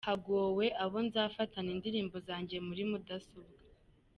Hagowe abo nzafatana indirimbo zanjye muri mudasobwa